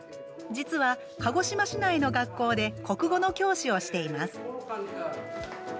実は、鹿児島市内の学校で国語の教師をしています。